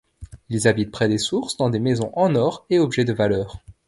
Ils habitent près des sources dans des maisons en or et objets de valeurs.